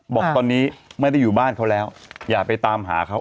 บอกตอนนี้ไม่ได้อยู่บ้านเขาแล้วอย่าไปตามหาเขา